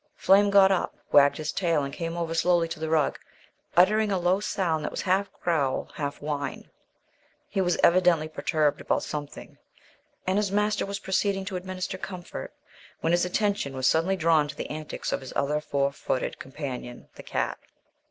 Flame got up, wagged his tail, and came over slowly to the rug, uttering a low sound that was half growl, half whine. He was evidently perturbed about something, and his master was proceeding to administer comfort when his attention was suddenly drawn to the antics of his other four footed companion, the cat.